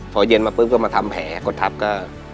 พอเย็นมาปุ๊บก็มาทำแผลกดทับก็